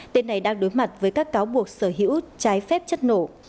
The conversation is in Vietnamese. tên này đang đối mặt với các cáo buộc sở hữu trái phép chất nổ